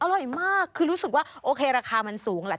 อร่อยมากคือรู้สึกว่าโอเคราคามันสูงแหละ